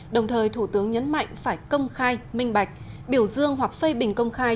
đồng thời thủ tướng nhấn mạnh phải công khai minh bạch biểu dương hoặc phê bình công khai